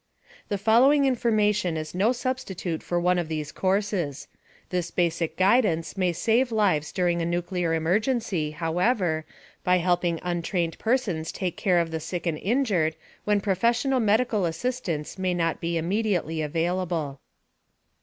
The following information is no substitute for one of these courses. This basic guidance may save lives during a nuclear emergency, however, by helping untrained persons take care of the sick and injured when professional medical assistance may not be immediately available.